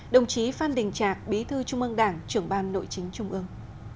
đồng chí phan đình trạc bí thư trung ương đảng trưởng ban nội chính trung ương